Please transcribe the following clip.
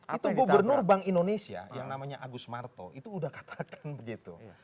itu gubernur bank indonesia yang namanya agus marto itu udah katakan begitu